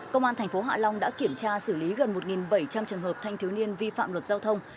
công an tp hạ long đã kiểm tra xử lý gần một bảy trăm linh trường hợp thanh thiếu niên vi phạm luật giao thông